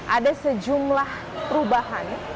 ada sejumlah perubahan